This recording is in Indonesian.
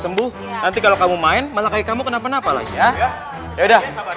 sembuh nanti kalau kamu main malah kaki kamu kenapa napa lagi ya udah